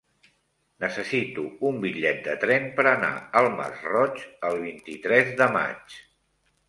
Necessito un bitllet de tren per anar al Masroig el vint-i-tres de maig.